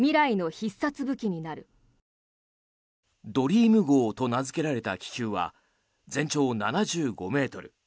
圓夢号と名付けられた気球は全長７５ｍ。